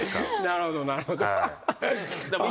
なるほどなるほど。